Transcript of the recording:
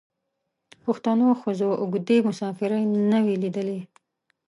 پښتنو ښځو اوږدې مسافرۍ نه وې لیدلي.